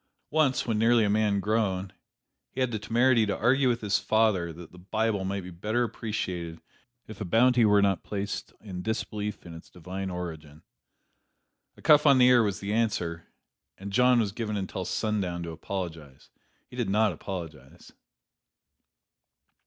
Once, when nearly a man grown, he had the temerity to argue with his father that the Bible might be better appreciated, if a penalty were not placed upon disbelief in its divine origin. A cuff on the ear was the answer, and John was given until sundown to apologize. He did not apologize.